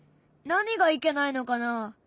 何がいけないのかな？